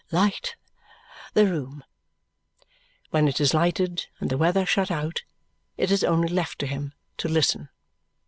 Light the room!" When it is lighted and the weather shut out, it is only left to him to listen.